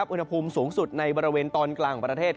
อุณหภูมิสูงสุดในบริเวณตอนกลางของประเทศ